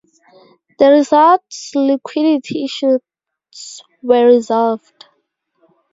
The resort's liquidity issues were resolved.